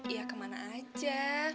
iya kemana aja